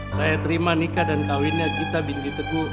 saya terima nikah dan kawinnya gita binti teguh